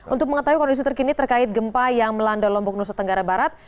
untuk mengetahui kondisi terkini terkait gempa yang melanda lombok nusa tenggara barat